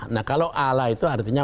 nah kalau ala itu artinya